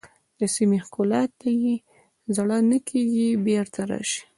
د سیمې ښکلا ته یې زړه نه کېږي بېرته راشئ.